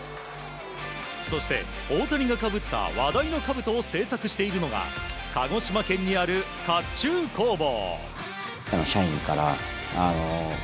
そして、大谷がかぶった話題のかぶとを制作しているのが鹿児島県にある甲冑工房。